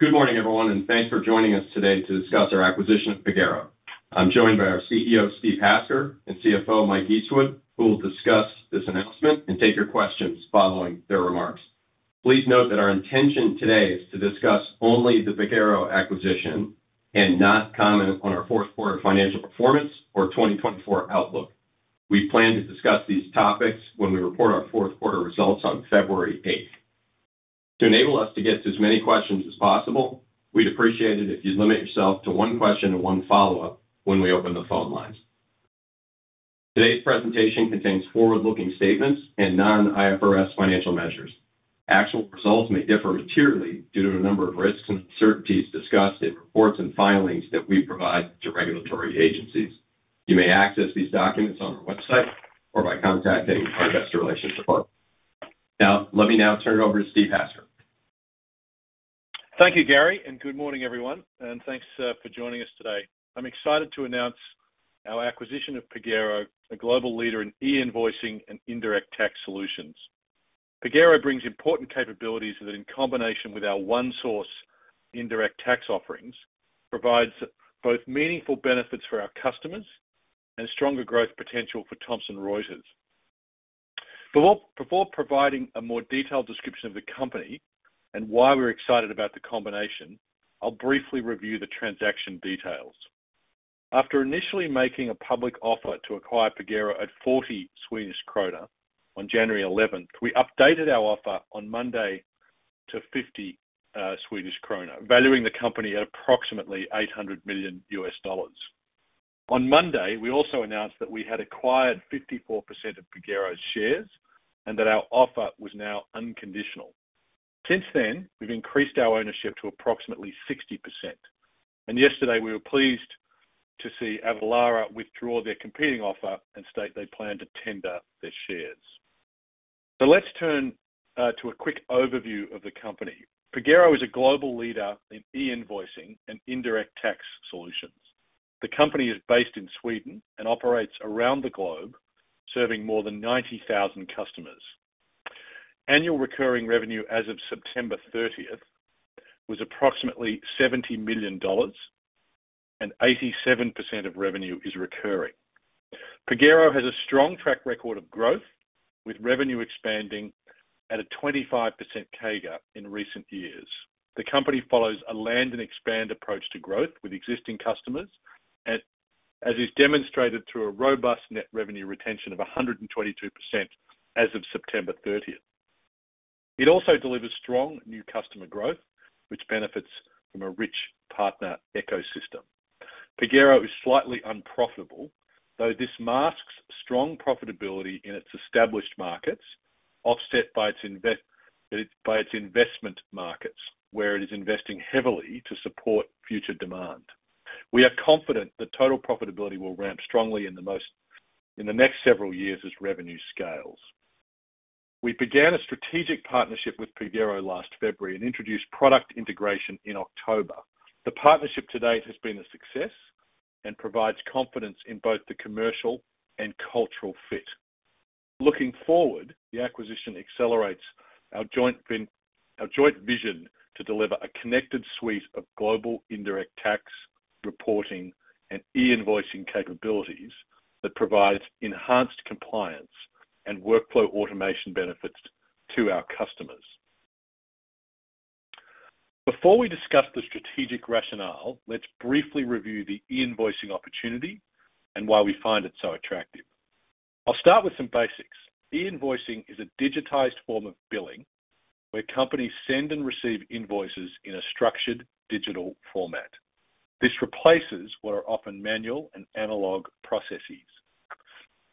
Good morning, everyone, and thanks for joining us today to discuss our acquisition of Pagero. I'm joined by our CEO, Steve Hasker, and CFO, Mike Eastwood, who will discuss this announcement and take your questions following their remarks. Please note that our intention today is to discuss only the Pagero acquisition and not comment on our fourth quarter financial performance or 2024 outlook. We plan to discuss these topics when we report our fourth quarter results on February eighth. To enable us to get to as many questions as possible, we'd appreciate it if you'd limit yourself to one question and one follow-up when we open the phone lines. Today's presentation contains forward-looking statements and non-IFRS financial measures. Actual results may differ materially due to a number of risks and uncertainties discussed in reports and filings that we provide to regulatory agencies. You may access these documents on our website or by contacting our investor relations department. Now, let me turn it over to Steve Hasker. Thank you, Gary, and good morning, everyone, and thanks for joining us today. I'm excited to announce our acquisition of Pagero, a global leader in e-invoicing and indirect tax solutions. Pagero brings important capabilities that, in combination with our ONESOURCE indirect tax offerings, provides both meaningful benefits for our customers and stronger growth potential for Thomson Reuters. Before providing a more detailed description of the company and why we're excited about the combination, I'll briefly review the transaction details. After initially making a public offer to acquire Pagero at 40 Swedish krona on January eleventh, we updated our offer on Monday to 50 Swedish krona, valuing the company at approximately $800 million. On Monday, we also announced that we had acquired 54% of Pagero's shares and that our offer was now unconditional. Since then, we've increased our ownership to approximately 60%, and yesterday we were pleased to see Avalara withdraw their competing offer and state they plan to tender their shares. Let's turn to a quick overview of the company. Pagero is a global leader in e-invoicing and indirect tax solutions. The company is based in Sweden and operates around the globe, serving more than 90,000 customers. Annual recurring revenue as of September thirtieth was approximately $70 million, and 87% of revenue is recurring. Pagero has a strong track record of growth, with revenue expanding at a 25% CAGR in recent years. The company follows a land and expand approach to growth with existing customers, as is demonstrated through a robust net revenue retention of 122% as of September 30th. It also delivers strong new customer growth, which benefits from a rich partner ecosystem. Pagero is slightly unprofitable, though this masks strong profitability in its established markets, offset by its investment markets, where it is investing heavily to support future demand. We are confident that total profitability will ramp strongly in the next several years as revenue scales. We began a strategic partnership with Pagero last February and introduced product integration in October. The partnership to date has been a success and provides confidence in both the commercial and cultural fit. Looking forward, the acquisition accelerates our joint vision to deliver a connected suite of global indirect tax, reporting, and e-invoicing capabilities that provides enhanced compliance and workflow automation benefits to our customers. Before we discuss the strategic rationale, let's briefly review the E-invoicing opportunity and why we find it so attractive. I'll start with some basics. E-invoicing is a digitized form of billing, where companies send and receive invoices in a structured digital format. This replaces what are often manual and analog processes.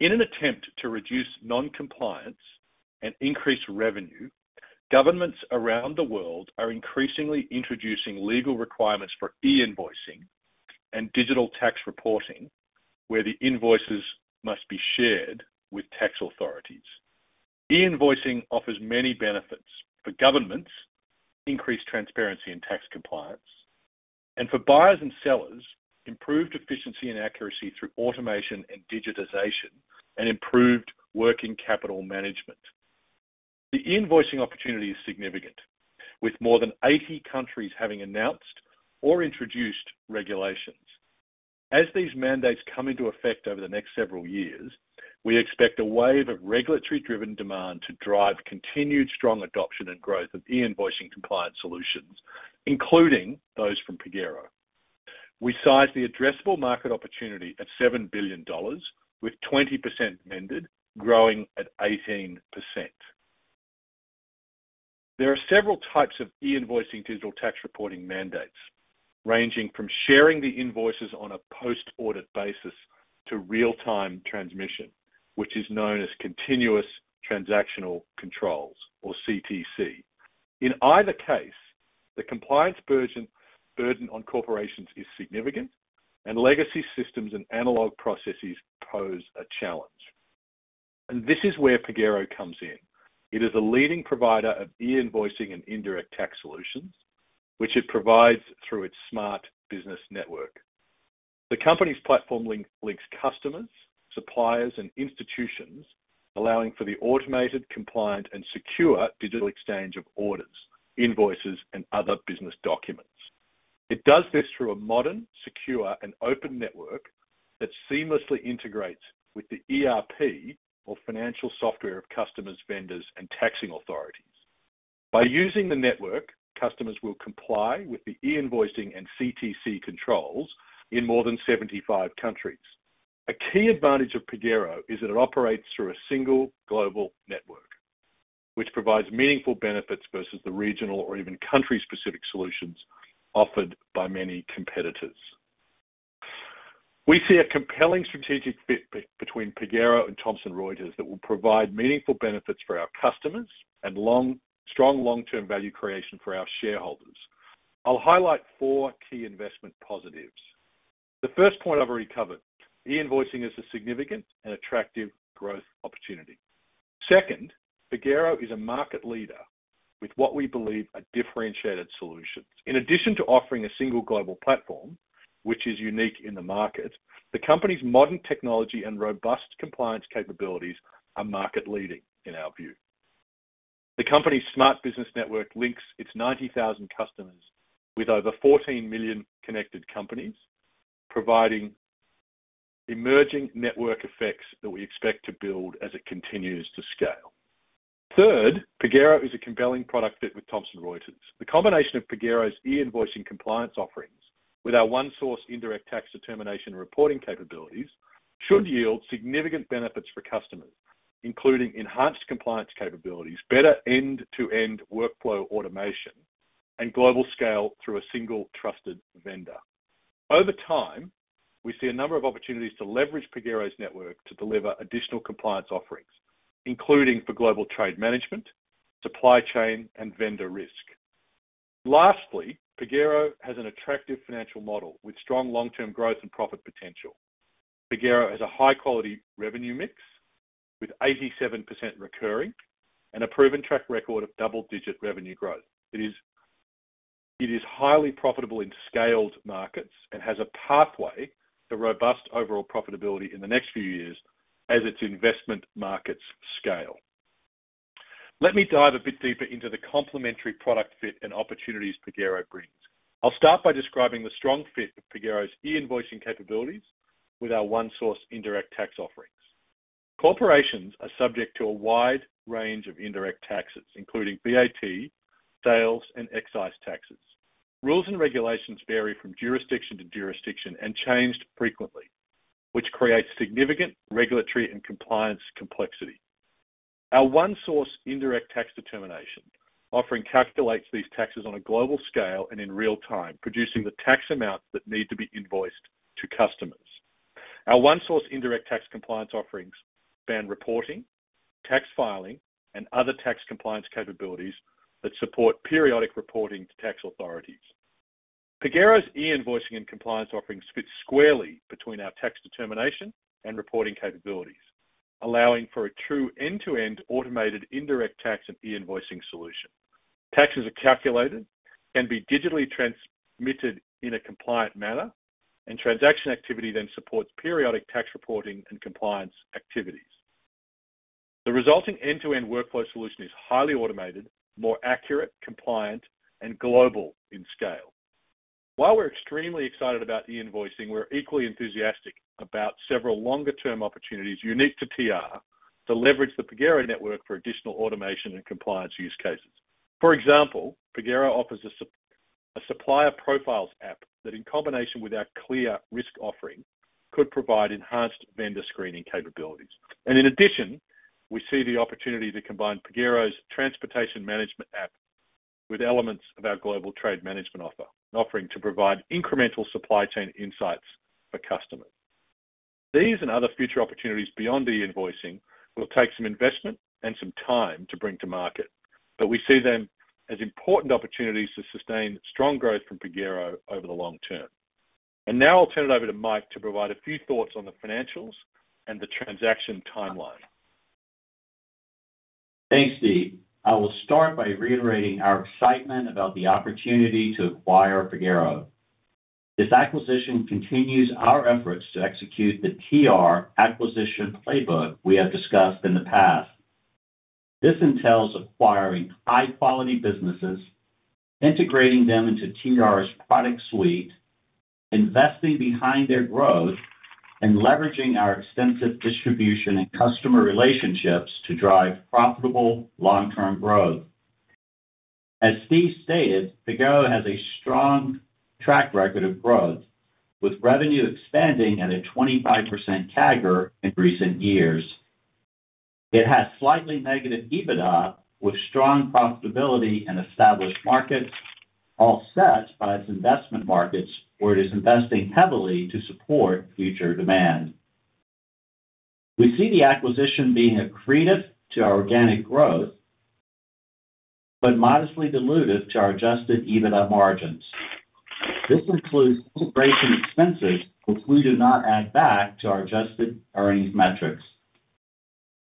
In an attempt to reduce non-compliance and increase revenue, governments around the world are increasingly introducing legal requirements for E-invoicing and digital tax reporting, where the invoices must be shared with tax authorities. E-invoicing offers many benefits. For governments, increased transparency and tax compliance, and for buyers and sellers, improved efficiency and accuracy through automation and digitization, and improved working capital management. The E-invoicing opportunity is significant, with more than 80 countries having announced or introduced regulations. As these mandates come into effect over the next several years, we expect a wave of regulatory-driven demand to drive continued strong adoption and growth of e-invoicing compliance solutions, including those from Pagero. We size the addressable market opportunity at $7 billion, with 20% mended growing at 18%. There are several types of e-invoicing digital tax reporting mandates, ranging from sharing the invoices on a post-audit basis to real-time transmission, which is known as continuous transactional controls, or CTC. In either case, the compliance burden on corporations is significant, and legacy systems and analog processes pose a challenge. And this is where Pagero comes in. It is a leading provider of e-invoicing and indirect tax solutions, which it provides through its Smart Business Network. The company's platform links customers, suppliers, and institutions, allowing for the automated, compliant, and secure digital exchange of orders, invoices, and other business documents. It does this through a modern, secure, and open network that seamlessly integrates with the ERP or financial software of customers, vendors, and taxing authorities. By using the network, customers will comply with the E-invoicing and CTC controls in more than 75 countries. A key advantage of Pagero is that it operates through a single global network, which provides meaningful benefits versus the regional or even country-specific solutions offered by many competitors. We see a compelling strategic fit between Pagero and Thomson Reuters that will provide meaningful benefits for our customers and strong long-term value creation for our shareholders. I'll highlight four key investment positives. The first point I've already covered, E-invoicing is a significant and attractive growth opportunity. Second, Pagero is a market leader with what we believe are differentiated solutions. In addition to offering a single global platform, which is unique in the market, the company's modern technology and robust compliance capabilities are market-leading, in our view. The company's smart business network links its 90,000 customers with over 14 million connected companies, providing emerging network effects that we expect to build as it continues to scale. Third, Pagero is a compelling product fit with Thomson Reuters. The combination of Pagero's e-invoicing compliance offerings with our one-source indirect tax determination reporting capabilities, should yield significant benefits for customers, including enhanced compliance capabilities, better end-to-end workflow automation, and global scale through a single trusted vendor. Over time, we see a number of opportunities to leverage Pagero's network to deliver additional compliance offerings, including for global trade management, supply chain, and vendor risk. Lastly, Pagero has an attractive financial model with strong long-term growth and profit potential. Pagero has a high-quality revenue mix, with 87% recurring and a proven track record of double-digit revenue growth. It is highly profitable in scaled markets and has a pathway to robust overall profitability in the next few years as its investment markets scale. Let me dive a bit deeper into the complementary product fit and opportunities Pagero brings. I'll start by describing the strong fit of Pagero's e-invoicing capabilities with our ONESOURCE indirect tax offerings. Corporations are subject to a wide range of indirect taxes, including VAT, sales, and excise taxes. Rules and regulations vary from jurisdiction to jurisdiction and changed frequently, which creates significant regulatory and compliance complexity. Our ONESOURCE indirect tax determination offering calculates these taxes on a global scale and in real-time, producing the tax amounts that need to be invoiced to customers. Our ONESOURCE indirect tax compliance offerings span reporting, tax filing, and other tax compliance capabilities that support periodic reporting to tax authorities. Pagero's e-invoicing and compliance offerings fit squarely between our tax determination and reporting capabilities, allowing for a true end-to-end automated indirect tax and e-invoicing solution. Taxes are calculated, can be digitally transmitted in a compliant manner, and transaction activity then supports periodic tax reporting and compliance activities. The resulting end-to-end workflow solution is highly automated, more accurate, compliant, and global in scale. While we're extremely excited about e-invoicing, we're equally enthusiastic about several longer-term opportunities unique to TR to leverage the Pagero network for additional automation and compliance use cases. For example, Pagero offers a supplier profiles app that, in combination with our CLEAR risk offering, could provide enhanced vendor screening capabilities. And in addition, we see the opportunity to combine Pagero's transportation management app with elements of our global trade management offering, to provide incremental supply chain insights for customers. These and other future opportunities beyond e-invoicing will take some investment and some time to bring to market, but we see them as important opportunities to sustain strong growth from Pagero over the long term. And now I'll turn it over to Mike to provide a few thoughts on the financials and the transaction timeline. Thanks, Steve. I will start by reiterating our excitement about the opportunity to acquire Pagero. This acquisition continues our efforts to execute the TR acquisition playbook we have discussed in the past. This entails acquiring high-quality businesses, integrating them into TR's product suite, investing behind their growth, and leveraging our extensive distribution and customer relationships to drive profitable long-term growth. As Steve stated, Pagero has a strong track record of growth, with revenue expanding at a 25% CAGR in recent years. It has slightly negative EBITDA, with strong profitability in established markets, offset by its investment markets, where it is investing heavily to support future demand. We see the acquisition being accretive to our organic growth, but modestly dilutive to our adjusted EBITDA margins. This includes integration expenses, which we do not add back to our adjusted earnings metrics.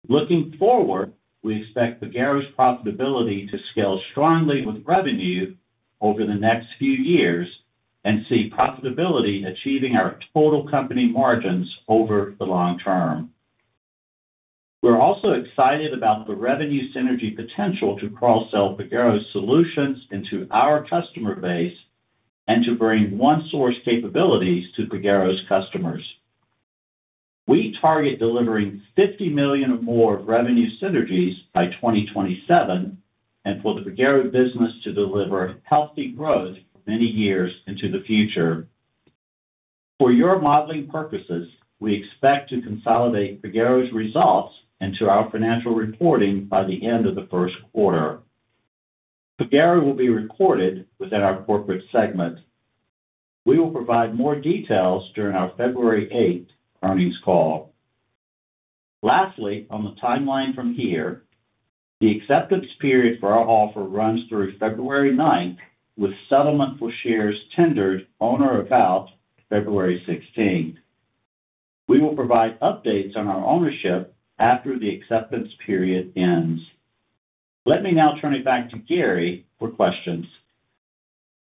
Looking forward, we expect Pagero's profitability to scale strongly with revenue over the next few years and see profitability achieving our total company margins over the long term. We're also excited about the revenue synergy potential to cross-sell Pagero's solutions into our customer base and to bring ONESOURCE capabilities to Pagero's customers. We target delivering $50 million or more of revenue synergies by 2027, and for the Pagero business to deliver healthy growth many years into the future. For your modeling purposes, we expect to consolidate Pagero's results into our financial reporting by the end of the first quarter. Pagero will be recorded within our corporate segment. We will provide more details during our February eighth earnings call. Lastly, on the timeline from here, the acceptance period for our offer runs through February ninth, with settlement for shares tendered on or about February sixteenth. We will provide updates on our ownership after the acceptance period ends. Let me now turn it back to Gary for questions.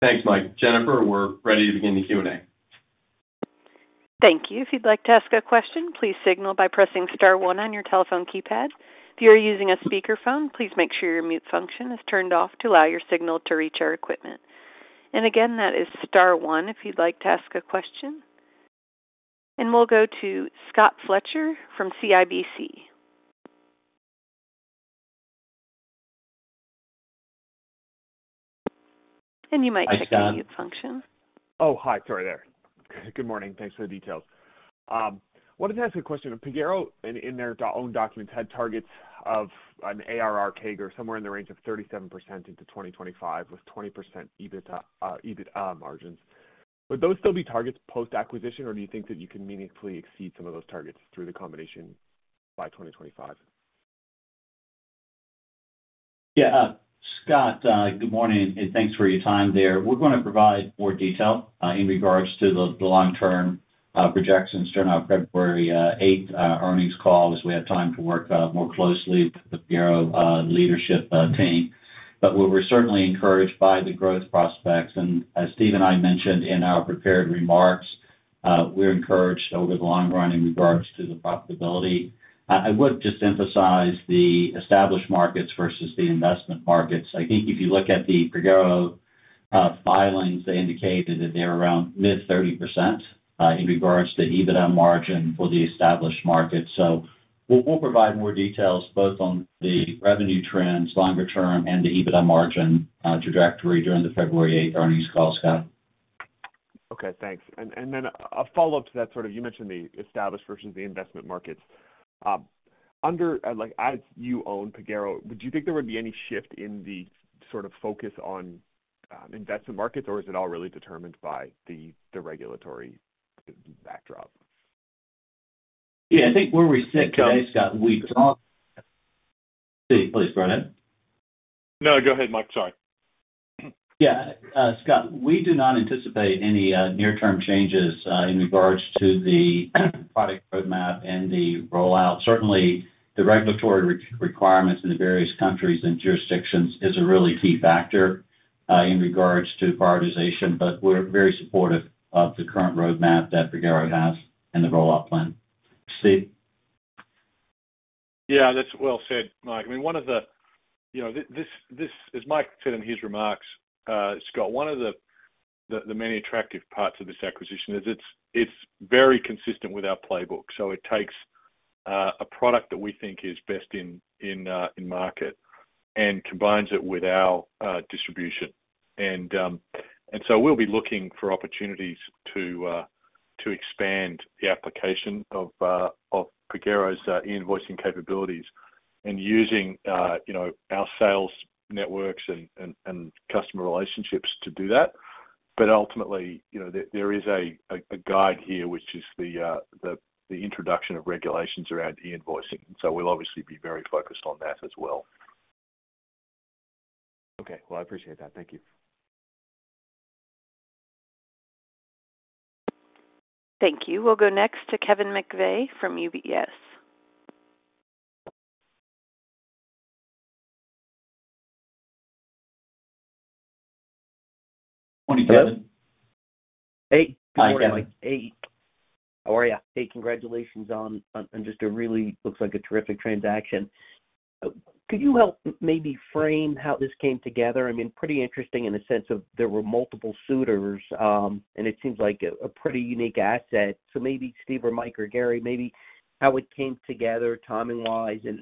Thanks, Mike. Jennifer, we're ready to begin the Q&A. Thank you. If you'd like to ask a question, please signal by pressing star one on your telephone keypad. If you are using a speakerphone, please make sure your mute function is turned off to allow your signal to reach our equipment. Again, that is star one if you'd like to ask a question. We'll go to Scott Fletcher from CIBC. You might try the mute function. Oh, hi. Sorry there. Good morning. Thanks for the details. Wanted to ask a question. Pagero, in their own documents, had targets of an ARR CAGR somewhere in the range of 37% into 2025, with 20% EBITDA margins. Would those still be targets post-acquisition, or do you think that you can meaningfully exceed some of those targets through the combination by 2025? Yeah, Scott, good morning, and thanks for your time there. We're going to provide more detail in regards to the long-term projections during our February eighth earnings call, as we have time to work more closely with the Pagero leadership team. But we're certainly encouraged by the growth prospects. And as Steve and I mentioned in our prepared remarks, we're encouraged over the long run in regards to the profitability. I would just emphasize the established markets versus the investment markets. I think if you look at the Pagero filings, they indicated that they're around mid-30% in regards to EBITDA margin for the established market. So we'll provide more details both on the revenue trends, longer term, and the EBITDA margin trajectory during the February eighth earnings call, Scott. Okay, thanks. And, and then a follow-up to that, sort of you mentioned the established versus the investment markets. Under, like, as you own Pagero, would you think there would be any shift in the sort of focus on investment markets, or is it all really determined by the regulatory backdrop? Yeah, I think where we sit today, Scott, we talk. Steve, please go ahead. No, go ahead, Mike. Sorry. Yeah, Scott, we do not anticipate any near-term changes in regards to the product roadmap and the rollout. Certainly, the regulatory requirements in the various countries and jurisdictions is a really key factor in regards to prioritization, but we're very supportive of the current roadmap that Pagero has and the rollout plan. Steve? Yeah, that's well said, Mike. I mean, one of the, you know, this, as Mike said in his remarks, Scott, one of the many attractive parts of this acquisition is it's very consistent with our playbook. So it takes a product that we think is best in market and combines it with our distribution. And so we'll be looking for opportunities to expand the application of Pagero's e-invoicing capabilities and using, you know, our sales networks and customer relationships to do that. But ultimately, you know, there is a guide here, which is the introduction of regulations around e-invoicing, so we'll obviously be very focused on that as well. Okay. Well, I appreciate that. Thank you. Thank you. We'll go next to Kevin McVeigh from UBS. Good morning Kevin. hey Hi, Kevin. Hey, how are you? Hey, congratulations on, on just a really looks like a terrific transaction. Could you help maybe frame how this came together? I mean, pretty interesting in the sense of there were multiple suitors, and it seems like a, a pretty unique asset. So maybe Steve or Mike or Gary, maybe how it came together timing-wise, and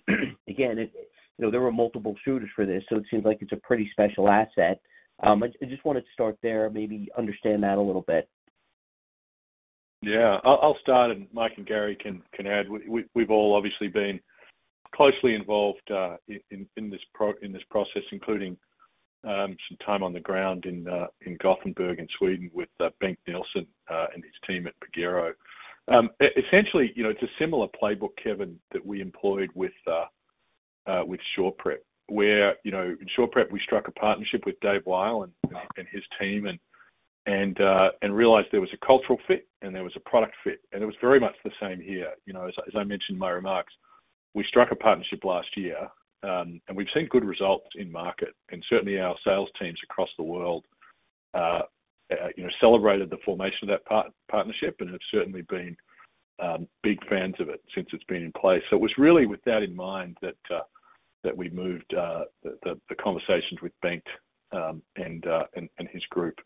again, it, you know, there were multiple suitors for this, so it seems like it's a pretty special asset. I just wanted to start there, maybe understand that a little bit. Yeah. I'll start, and Mike and Gary can add. We've all obviously been closely involved in this process, including some time on the ground in Gothenburg, in Sweden, with Bengt Nilsson and his team at Pagero. Essentially, you know, it's a similar playbook, Kevin, that we employed with SurePrep, where, you know, in SurePrep, we struck a partnership with Dave Weil and his team and realized there was a cultural fit and there was a product fit. And it was very much the same here. You know, as I mentioned in my remarks, we struck a partnership last year, and we've seen good results in market. Certainly our sales teams across the world, you know, celebrated the formation of that partnership and have certainly been big fans of it since it's been in place. So it was really with that in mind that we moved the conversations with Bengt and his group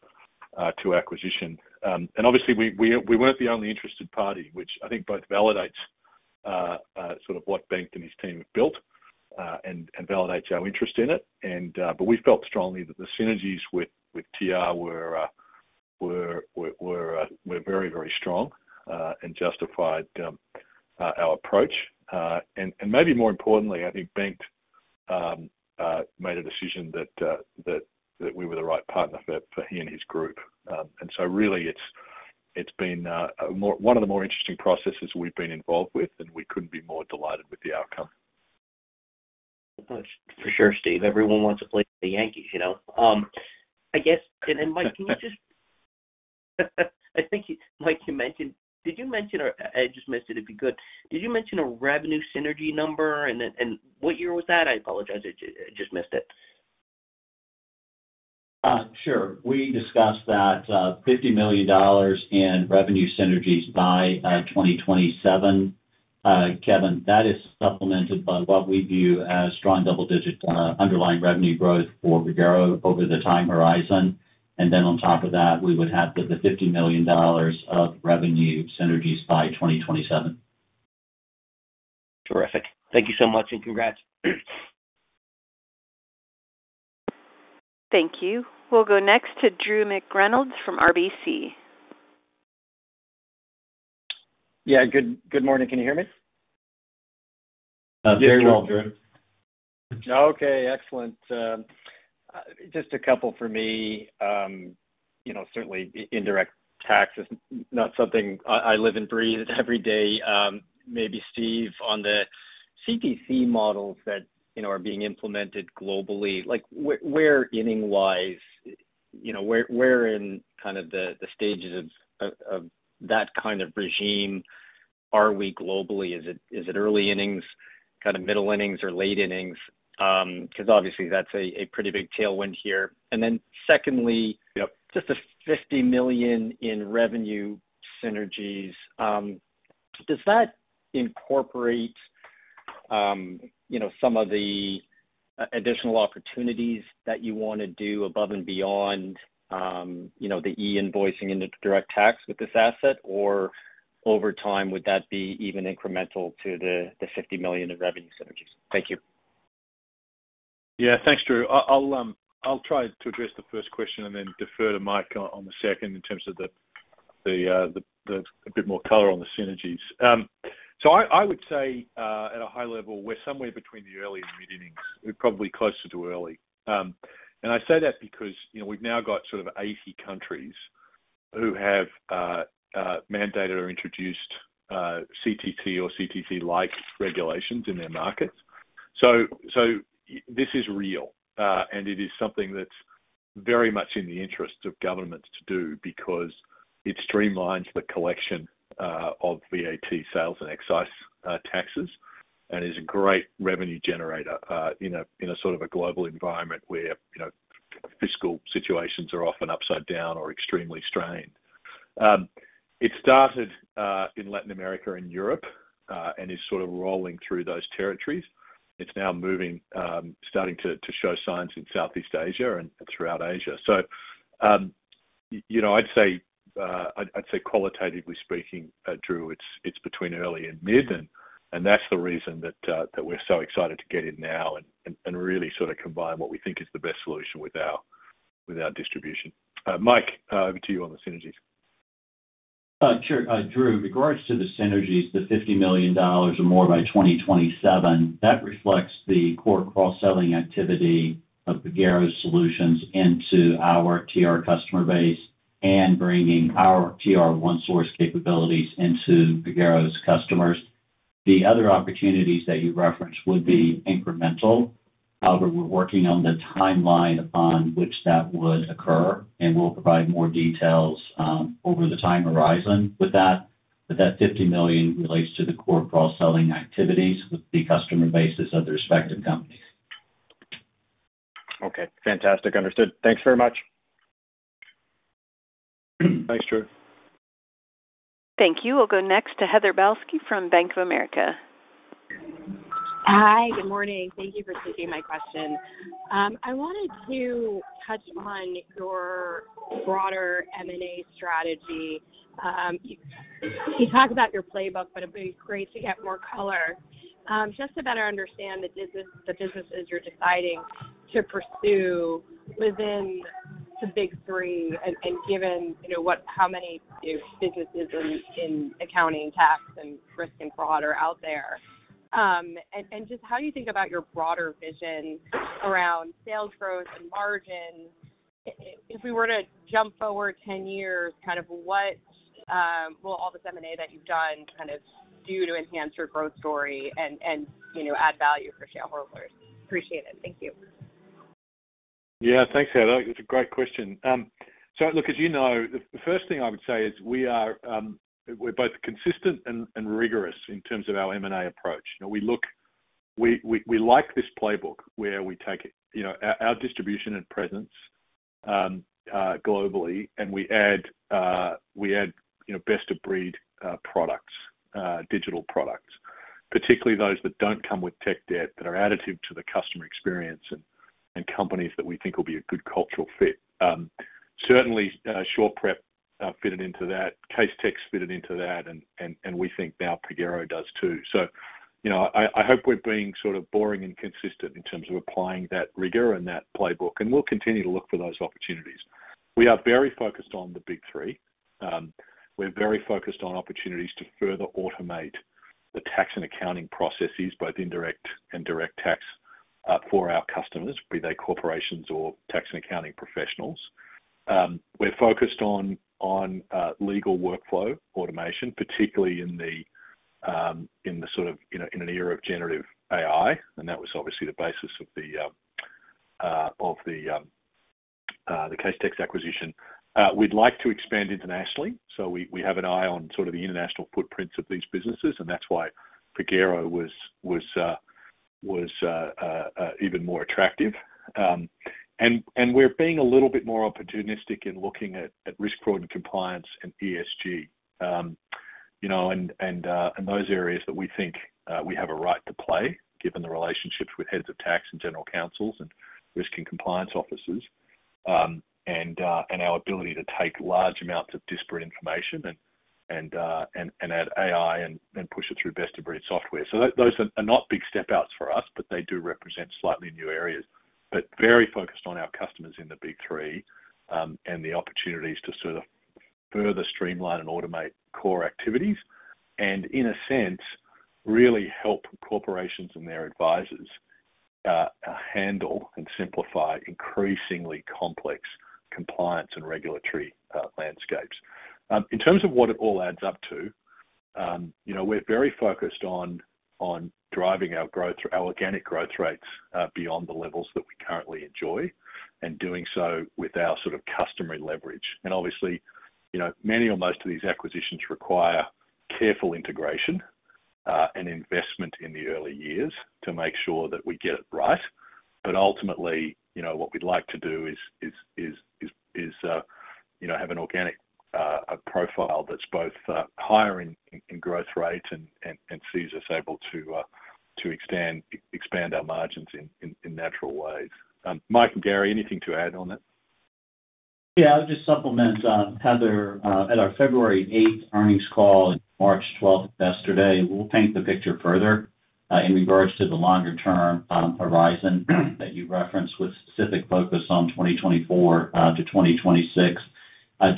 to acquisition. And obviously, we weren't the only interested party, which I think both validates sort of what Bengt and his team have built and validates our interest in it. And but we felt strongly that the synergies with TR were very, very strong and justified our approach. And maybe more importantly, I think Bengt made a decision that we were the right partner for he and his group. And so really, it's been one of the more interesting processes we've been involved with, and we couldn't be more delighted with the outcome. For sure, Steve, everyone wants to play the Yankees, you know? I guess, and Mike, can you just—I think you, Mike, you mentioned... Did you mention or I just missed it? It'd be good. Did you mention a revenue synergy number, and then, and what year was that? I apologize. I just missed it. Sure. We discussed that, $50 million in revenue synergies by 2027. Kevin, that is supplemented by what we view as strong double-digit underlying revenue growth for Pagero over the time horizon. And then on top of that, we would have the $50 million of revenue synergies by 2027. Terrific. Thank you so much, and congrats. Thank you. We'll go next to Drew McReynolds from RBC. Yeah, good, good morning. Can you hear me? Very well, Drew. Okay, excellent. Just a couple for me. You know, certainly, indirect tax is not something I live and breathe every day. Maybe Steve, on the CTC models that, you know, are being implemented globally, like, where inning-wise, you know, where, where in kind of the, the stages of, of, of that kind of regime are we globally? Is it, is it early innings, kind of middle innings or late innings? 'Cause obviously, that's a pretty big tailwind here. And then secondly, you know, just the $50 million in revenue synergies, does that incorporate, you know, some of the additional opportunities that you wanna do above and beyond, you know, the e-invoicing and the direct tax with this asset? Or over time, would that be even incremental to the $50 million of revenue synergies? Thank you. Yeah. Thanks, Drew. I'll try to address the first question and then defer to Mike on the second, in terms of a bit more color on the synergies. So I would say, at a high level, we're somewhere between the early and mid-innings. We're probably closer to early. And I say that because, you know, we've now got sort of 80 countries who have mandated or introduced CTC or CTC-like regulations in their markets. So this is real, and it is something that's very much in the interests of governments to do because it streamlines the collection of VAT sales and excise taxes, and is a great revenue generator in a sort of a global environment where, you know, fiscal situations are often upside down or extremely strained. It started in Latin America and Europe, and is sort of rolling through those territories. It's now moving, starting to show signs in Southeast Asia and throughout Asia. You know, I'd say, I'd say qualitatively speaking, Drew, it's between early and mid, and that's the reason that we're so excited to get in now and really sort of combine what we think is the best solution with our distribution. Mike, over to you on the synergies. Sure. Drew, regards to the synergies, the $50 million or more by 2027, that reflects the core cross-selling activity of Pagero's solutions into our TR customer base and bringing our TR ONESOURCE capabilities into Pagero's customers. The other opportunities that you referenced would be incremental. However, we're working on the timeline upon which that would occur, and we'll provide more details, over the time horizon with that. But that $50 million relates to the core cross-selling activities with the customer bases of the respective companies. Okay. Fantastic. Understood. Thanks very much. Thanks, Drew. Thank you. We'll go next to Heather Balsky from Bank of America. Hi, good morning. Thank you for taking my question. I wanted to touch on your broader M&A strategy. You talked about your playbook, but it'd be great to get more color just to better understand the business, the businesses you're deciding to pursue within the big three and, given you know what, how many new businesses in accounting, tax, and risk and fraud are out there. And just how do you think about your broader vision around sales growth and margins?... If we were to jump forward 10 years, kind of what, will all this M&A that you've done kind of do to enhance your growth story and, and, you know, add value for shareholders? Appreciate it. Thank you. Yeah. Thanks, Heather. That's a great question. So look, as you know, the first thing I would say is we are, we're both consistent and rigorous in terms of our M&A approach. You know, we look, we like this playbook where we take, you know, our distribution and presence, globally, and we add, we add, you know, best-of-breed products, digital products, particularly those that don't come with tech debt, that are additive to the customer experience and companies that we think will be a good cultural fit. Certainly, SurePrep fitted into that, Casetext fitted into that, and we think now Pagero does, too. So, you know, I hope we're being sort of boring and consistent in terms of applying that rigor and that playbook, and we'll continue to look for those opportunities. We are very focused on the big three. We're very focused on opportunities to further automate the tax and accounting processes, both indirect and direct tax, for our customers, be they corporations or tax and accounting professionals. We're focused on legal workflow automation, particularly in the sort of, you know, in an era of generative AI, and that was obviously the basis of the Casetext acquisition. We'd like to expand internationally, so we have an eye on sort of the international footprints of these businesses, and that's why Pagero was even more attractive. And we're being a little bit more opportunistic in looking at risk, fraud, and compliance and ESG. You know, and those areas that we think we have a right to play, given the relationships with heads of tax and general counsels and risk and compliance officers. And our ability to take large amounts of disparate information and add AI and push it through best-of-breed software. So those are not big step outs for us, but they do represent slightly new areas. But very focused on our customers in the big three, and the opportunities to sort of further streamline and automate core activities and, in a sense, really help corporations and their advisors handle and simplify increasingly complex compliance and regulatory landscapes. In terms of what it all adds up to, you know, we're very focused on driving our growth, our organic growth rates, beyond the levels that we currently enjoy, and doing so with our sort of customary leverage. And obviously, you know, many or most of these acquisitions require careful integration, and investment in the early years to make sure that we get it right. But ultimately, you know, what we'd like to do is, you know, have an organic profile that's both higher in growth rates and sees us able to extend, expand our margins in natural ways. Mike and Gary, anything to add on that? Yeah, I'll just supplement, Heather. At our February 8th earnings call and March 12th, Investor Day, we'll paint the picture further, in regards to the longer-term horizon that you referenced, with specific focus on 2024-2026.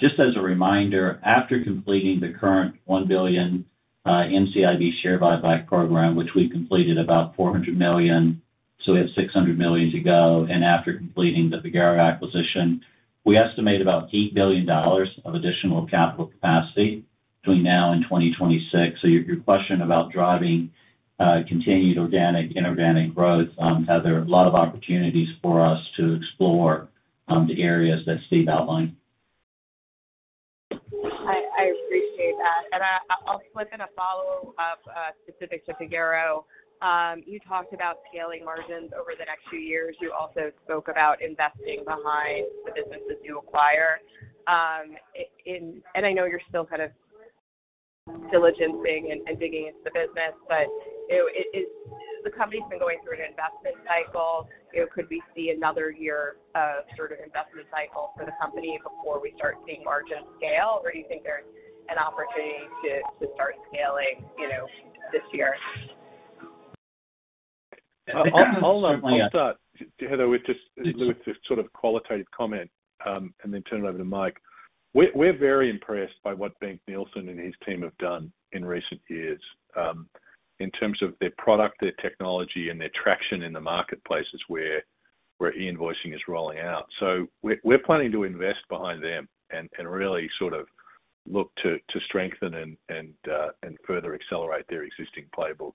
Just as a reminder, after completing the current $1 billion NCIB share buyback program, which we completed about $400 million, so we have $600 million to go, and after completing the Pagero acquisition, we estimate about $8 billion of additional capital capacity between now and 2026. So your question about driving continued organic and inorganic growth, Heather, a lot of opportunities for us to explore, the areas that Steve outlined. I appreciate that. And I'll slip in a follow-up specific to Pagero. You talked about scaling margins over the next few years. You also spoke about investing behind the businesses you acquire in. And I know you're still kind of diligencing and digging into the business, but you know, the company's been going through an investment cycle. You know, could we see another year of sort of investment cycle for the company before we start seeing margins scale, or do you think there's an opportunity to start scaling, you know, this year? I'll start, Heather, with this sort of qualitative comment, and then turn it over to Mike. We're very impressed by what Bengt Nilsson and his team have done in recent years, in terms of their product, their technology, and their traction in the marketplaces where e-invoicing is rolling out. So we're planning to invest behind them and really sort of look to strengthen and further accelerate their existing playbook.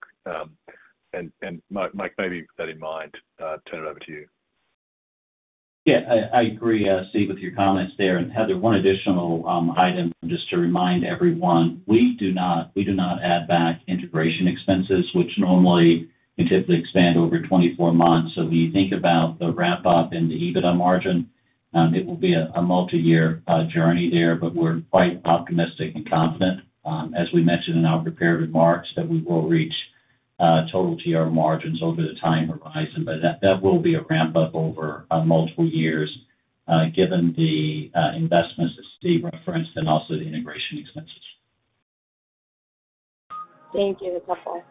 And Mike, maybe with that in mind, turn it over to you. Yeah, I agree, Steve, with your comments there. And, Heather, one additional item, just to remind everyone, we do not, we do not add back integration expenses, which normally we typically expand over 24 months. So when you think about the ramp-up in the EBITDA margin, it will be a multiyear journey there, but we're quite optimistic and confident, as we mentioned in our prepared remarks, that we will reach total TR margins over the time horizon. But that will be a ramp-up over multiple years, given the investments that Steve referenced and also the integration expenses. Thank you. That's helpful.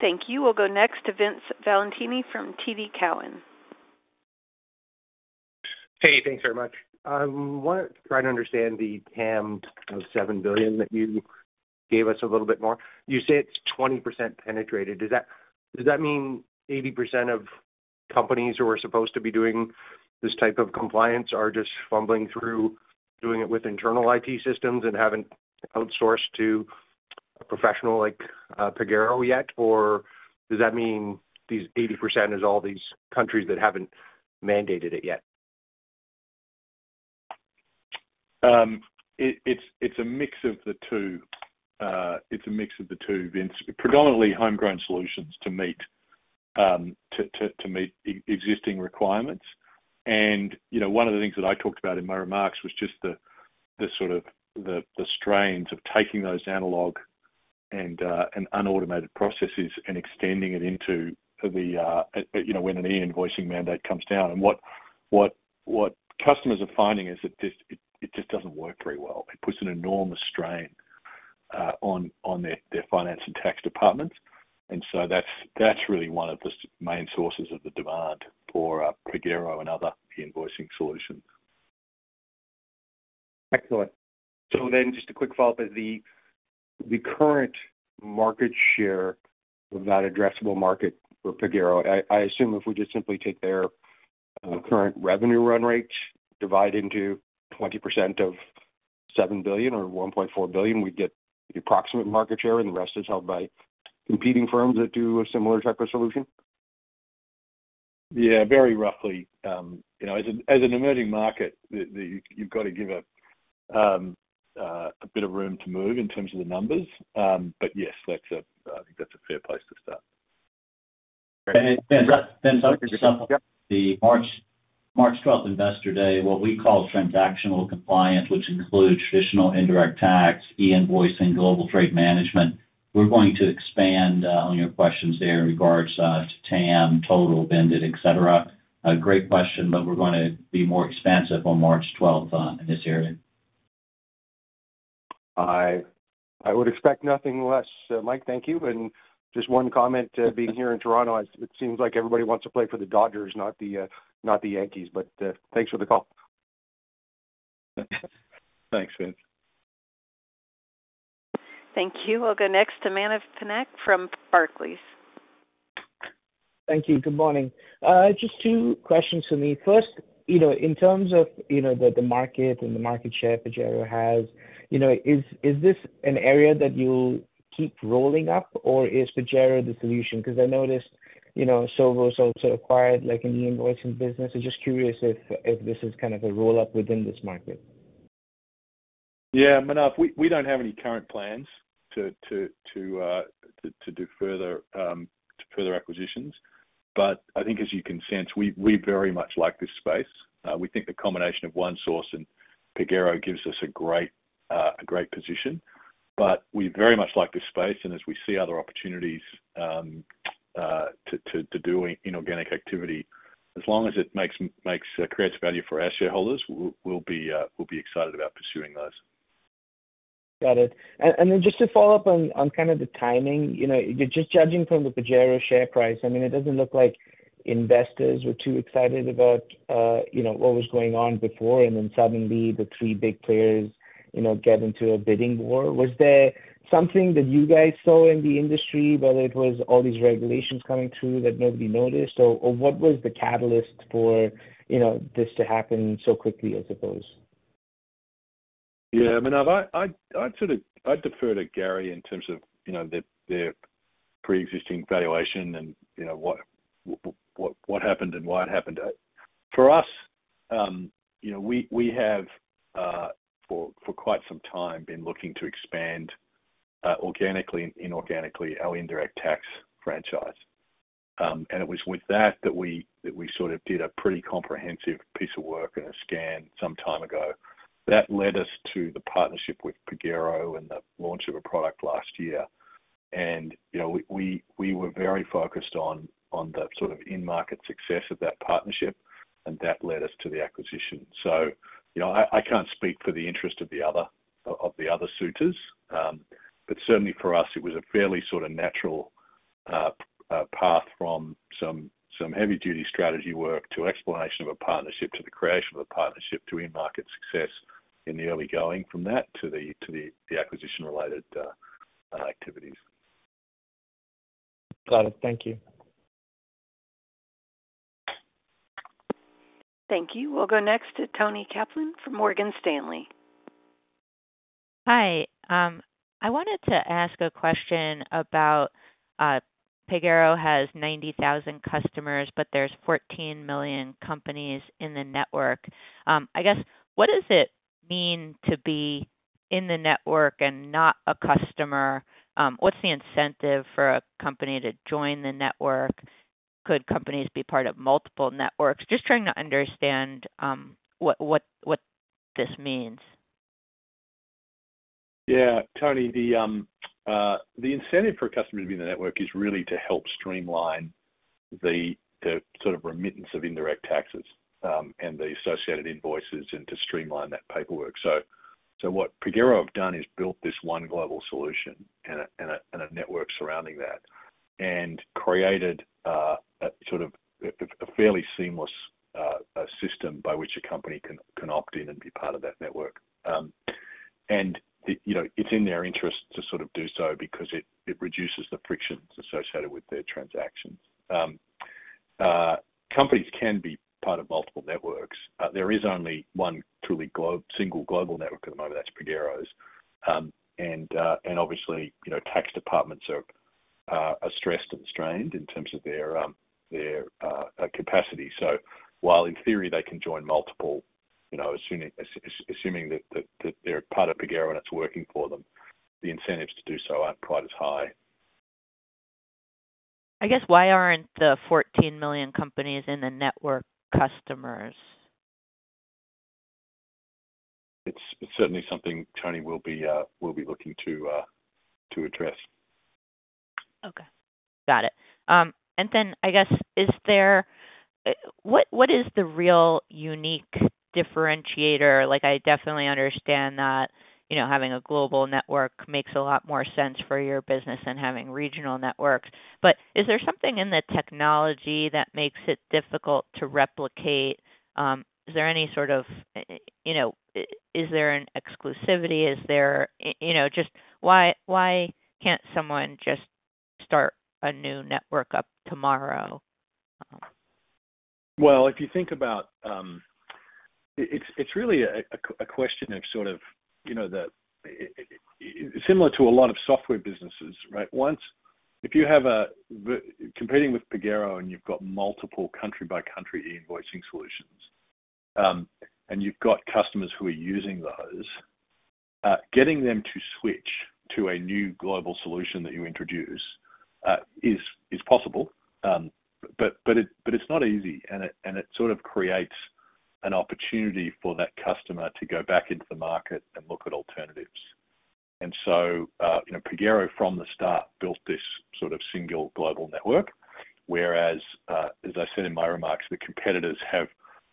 Thank you. We'll go next to Vince Valentini from TD Cowen.... Hey, thanks very much. Want to try to understand the TAM of $7 billion that you gave us a little bit more. You say it's 20% penetrated. Does that, does that mean 80% of companies who are supposed to be doing this type of compliance are just fumbling through doing it with internal IT systems and haven't outsourced to professional, like, Pagero yet? Or does that mean these 80% is all these countries that haven't mandated it yet? It's a mix of the two. It's a mix of the two, Vince. Predominantly homegrown solutions to meet existing requirements. And, you know, one of the things that I talked about in my remarks was just the sort of strains of taking those analog and unautomated processes and extending it into the, you know, when an e-invoicing mandate comes down. And what customers are finding is that this just doesn't work very well. It puts an enormous strain on their finance and tax departments. And so that's really one of the main sources of the demand for Pagero and other e-invoicing solutions. Excellent. So then just a quick follow-up. As the current market share of that addressable market for Pagero, I assume if we just simply take their current revenue run rates, divide into 20% of $7 billion or $1.4 billion, we'd get the approximate market share, and the rest is held by competing firms that do a similar type of solution? Yeah, very roughly. You know, as an emerging market, you've got to give a bit of room to move in terms of the numbers. But yes, I think that's a fair place to start. And, Vince, then some of the stuff the March 12 Investor Day, what we call transactional compliance, which includes traditional indirect tax, e-invoicing, global trade management. We're going to expand on your questions there in regards to TAM, total blended, et cetera. A great question, but we're gonna be more expansive on March 12 this year. I would expect nothing less. So Mike, thank you. Just one comment, being here in Toronto, it seems like everybody wants to play for the Dodgers, not the Yankees, but thanks for the call. Thanks, Vince. Thank you. We'll go next to Manav Patnaik from Barclays. Thank you. Good morning. Just two questions for me. First, you know, in terms of, you know, the, the market and the market share Pagero has, you know, is, is this an area that you'll keep rolling up, or is Pagero the solution? Because I noticed, you know, Sovos also acquired, like, an e-invoicing business. I'm just curious if, if this is kind of a roll-up within this market? Yeah, Manav, we don't have any current plans to do further acquisitions. But I think as you can sense, we very much like this space. We think the combination of ONESOURCE and Pagero gives us a great position. But we very much like this space, and as we see other opportunities to do inorganic activity, as long as it creates value for our shareholders, we'll be excited about pursuing those. Got it. And then just to follow up on kind of the timing, you know, just judging from the Pagero share price, I mean, it doesn't look like investors were too excited about, you know, what was going on before, and then suddenly the three big players, you know, get into a bidding war. Was there something that you guys saw in the industry, whether it was all these regulations coming through that nobody noticed, or what was the catalyst for, you know, this to happen so quickly, I suppose? Yeah, Manav, I'd sort of... I'd defer to Gary in terms of, you know, the preexisting valuation and, you know, what happened and why it happened. For us, you know, we have for quite some time been looking to expand organically and inorganically our indirect tax franchise. And it was with that that we sort of did a pretty comprehensive piece of work and a scan some time ago. That led us to the partnership with Pagero and the launch of a product last year. And, you know, we were very focused on the sort of in-market success of that partnership, and that led us to the acquisition. So, you know, I can't speak for the interest of the other suitors. But certainly for us, it was a fairly sort of natural path from some heavy duty strategy work to exploration of a partnership, to the creation of a partnership, to in-market success in the early going from that to the acquisition-related activities. Got it. Thank you. Thank you. We'll go next to Toni Kaplan from Morgan Stanley. Hi. I wanted to ask a question about Pagero has 90,000 customers, but there's 14 million companies in the network. I guess, what does it mean to be in the network and not a customer? What's the incentive for a company to join the network? Could companies be part of multiple networks? Just trying to understand what this means. Yeah, Toni, the incentive for a customer to be in the network is really to help streamline the sort of remittance of indirect taxes and the associated invoices and to streamline that paperwork. So what Pagero have done is built this one global solution and a network surrounding that, and created a sort of fairly seamless system by which a company can opt in and be part of that network. And, you know, it's in their interest to sort of do so because it reduces the frictions associated with their transactions. Companies can be part of multiple networks. There is only one truly single global network at the moment, that's Pagero's. And obviously, you know, tax departments are stressed and strained in terms of their capacity. So while in theory they can join multiple, you know, assuming that they're part of Pagero and it's working for them, the incentives to do so aren't quite as high. I guess, why aren't the 14 million companies in the network customers? It's certainly something, Toni. We'll be looking to address. Okay. Got it. And then I guess, is there... what is the real unique differentiator? Like, I definitely understand that, you know, having a global network makes a lot more sense for your business than having regional networks. But is there something in the technology that makes it difficult to replicate? Is there any sort of, you know, is there an exclusivity? Is there, you know, just why can't someone just start a new network up tomorrow? Well, if you think about, it's really a question of sort of, you know, the... Similar to a lot of software businesses, right? If you have a vendor competing with Pagero, and you've got multiple country by country e-invoicing solutions, and you've got customers who are using those, getting them to switch to a new global solution that you introduce, is possible, but it's not easy, and it sort of creates an opportunity for that customer to go back into the market and look at alternatives. And so, you know, Pagero, from the start, built this sort of single global network, whereas, as I said in my remarks, the competitors have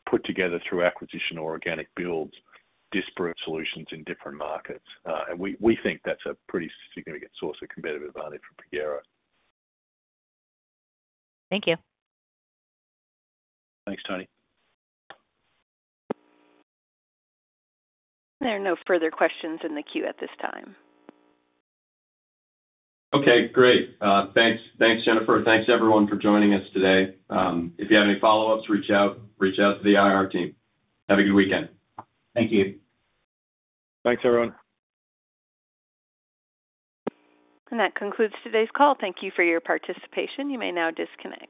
put together, through acquisition or organic builds, disparate solutions in different markets. We think that's a pretty significant source of competitive advantage for Pagero. Thank you. Thanks, Toni. There are no further questions in the queue at this time. Okay, great. Thanks. Thanks, Jennifer. Thanks, everyone, for joining us today. If you have any follow-ups, reach out, reach out to the IR team. Have a good weekend. Thank you. Thanks, everyone. That concludes today's call. Thank you for your participation. You may now disconnect.